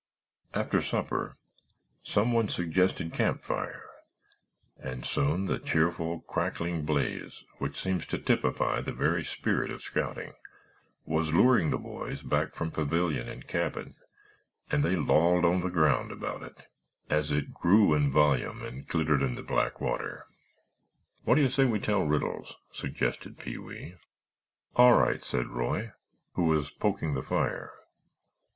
After supper some one suggested campfire and soon the cheerful, crackling blaze which seems to typify the very spirit of scouting was luring the boys back from pavilion and cabin and they lolled on the ground about it as it grew in volume and glittered in the black water. "What d'you say we tell riddles?" suggested Pee wee. "All right," said Roy, who was poking the fire.